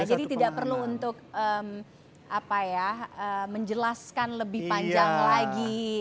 jadi tidak perlu untuk apa ya menjelaskan lebih panjang lagi